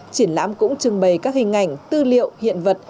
triển lãm cũng trưng bày các hình ảnh tư liệu hiện vật